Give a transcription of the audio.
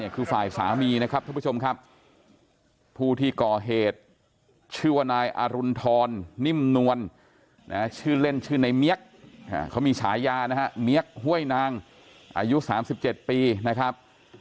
เขามีฉายานะฮะเมี๊ยกห้วยนางอายุ๓๗ปีนะครับ